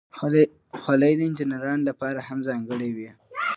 خولۍ د انجینرانو لپاره هم ځانګړې وي.